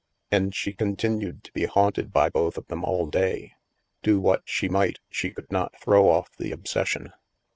And she continued to be haunted by both of them all day. Do what she might, she could not throw off the obsession.